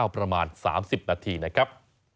ประมาณ๓๐นาทีนะครับ